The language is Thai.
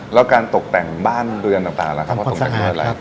แล้วการตกแต่งบ้านเรือนต่างล่ะครับว่าตกแต่งด้วยอะไร